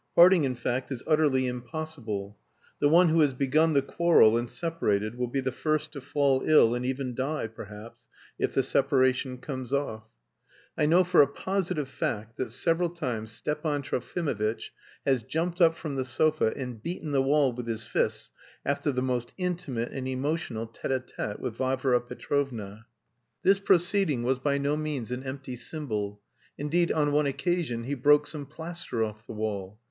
Parting, in fact, is utterly impossible. The one who has begun the quarrel and separated will be the first to fall ill and even die, perhaps, if the separation comes off. I know for a positive fact that several times Stepan Trofimovitch has jumped up from the sofa and beaten the wall with his fists after the most intimate and emotional tête à tête with Varvara Petrovna. This proceeding was by no means an empty symbol; indeed, on one occasion, he broke some plaster off the wall.